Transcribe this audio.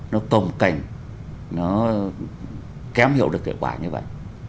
nó cồng cành nó kém hiểu được hiệu quả như vậy